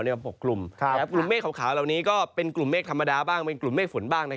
และกลุ่มเมฆขาวเป็นกลุ่มเมฆฝนบ้าง